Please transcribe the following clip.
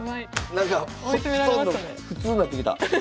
なんかほとんど普通になってきた。